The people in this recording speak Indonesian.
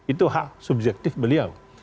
itu hak subjektif beliau